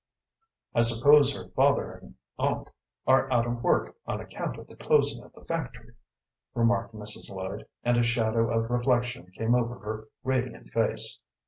"I suppose her father and aunt are out of work on account of the closing of the factory," remarked Mrs. Lloyd, and a shadow of reflection came over her radiant face.